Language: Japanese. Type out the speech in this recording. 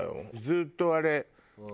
ずっとあれ。